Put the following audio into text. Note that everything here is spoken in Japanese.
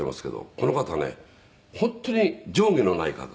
「この方ね本当に上下のない方で」